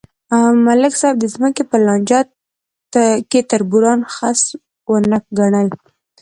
ملک صاحب د ځمکې په لانجه کې تربوران خس ونه ګڼل.